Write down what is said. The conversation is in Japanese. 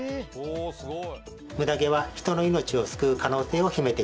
おすごい。